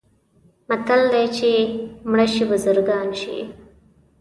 متل دی: چې مړه شي بزرګان شي.